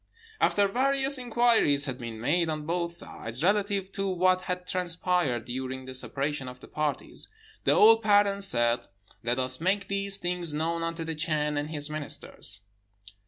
"After various inquiries had been made on both sides, relative to what had transpired during the separation of the parties, the old parents said, 'Let us make these things known unto the Chan and his ministers.'